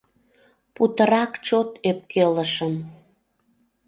Путырак чот ӧпкелышым.